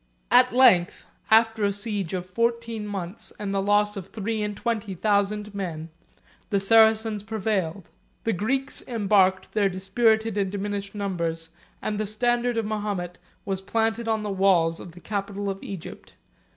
At length, after a siege of fourteen months, 112 and the loss of three and twenty thousand men, the Saracens prevailed: the Greeks embarked their dispirited and diminished numbers, and the standard of Mahomet was planted on the walls of the capital of Egypt.